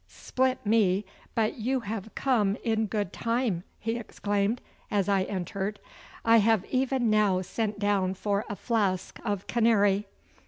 'Split me, but you have come in good time!' he exclaimed, as I entered. 'I have even now sent down for a flask of canary.